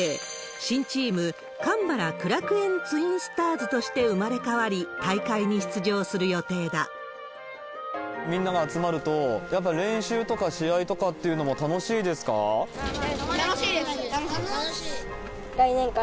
新チーム、神原苦楽園ツインスターズとして生まれ変わり、大会に出場する予みんなが集まると、やっぱり練習とか試合とかっていうのも楽しいですか。